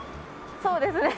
そうですね。